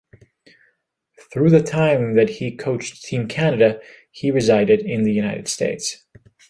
Through the time that he coached Team Canada, he resided in the United States.